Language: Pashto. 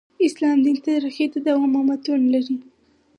اسلام دین تاریخي تداوم او متون لري.